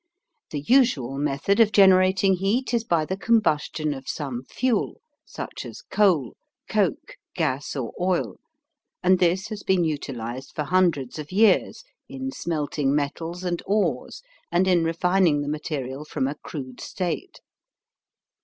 The usual method of generating heat is by the combustion of some fuel, such as coal, coke, gas or oil, and this has been utilized for hundreds of years in smelting metals and ores and in refining the material from a crude state.